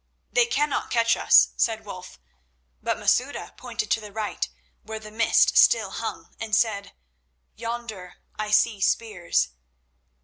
"They cannot catch us," said Wulf; but Masouda pointed to the right, where the mist still hung, and said: "Yonder I see spears."